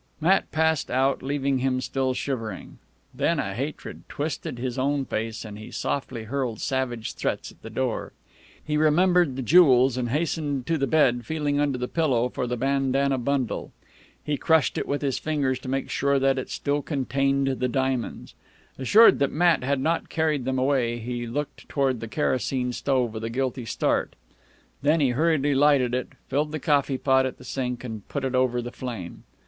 Matt passed out, leaving him still shivering. Then a hatred twisted his own face, and he softly hurled savage threats at the door. He remembered the jewels, and hastened to the bed, feeling under the pillow for the bandana bundle. He crushed it with his fingers to make certain that it still contained the diamonds. Assured that Matt had not carried them away, he looked toward the kerosene stove with a guilty start. Then he hurriedly lighted it, filled the coffee pot at the sink, and put it over the flame.